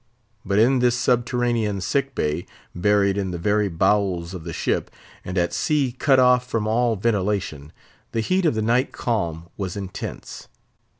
But in this subterranean sick bay, buried in the very bowels of the ship, and at sea cut off from all ventilation, the heat of the night calm was intense.